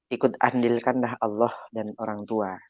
ikut andilkanlah allah dan orang tua